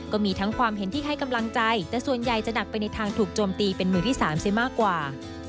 ก็มีทั้งความเห็นที่ให้กำลังใจแต่ส่วนใหญ่จะหนักไปในทางถูกโจมตีเป็นมือที่๓เสียมากกว่า